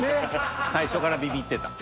最初からビビッてた。